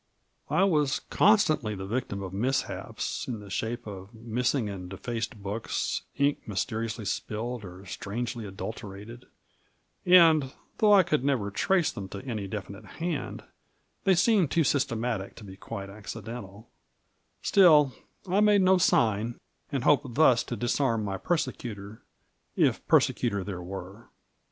I was constantly the victim of mishaps, in the shape of missing and defaced books, ink mysteriously spilled or strangely adulterated, and, though I could never trace them to any definite hand, they seemed too systematic to be quite accidental ; still I made no sign, and hoped thus to disarm my persecutor— if persecutor there were.